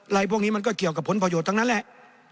พวกนี้มันก็เกี่ยวกับผลประโยชน์ทั้งนั้นแหละ